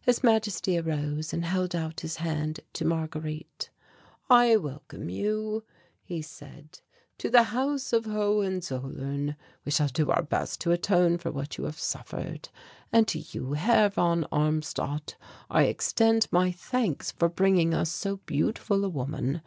His Majesty arose and held out his hand to Marguerite. "I welcome you," he said, "to the House of Hohenzollern. We shall do our best to atone for what you have suffered. And to you, Herr von Armstadt, I extend my thanks for bringing us so beautiful a woman.